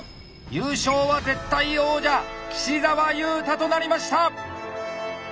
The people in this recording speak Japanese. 優勝は絶対王者岸澤裕太となりました。